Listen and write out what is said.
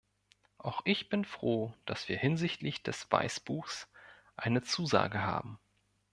Auch ich bin froh, dass wir hinsichtlich des Weißbuchs eine Zusage haben.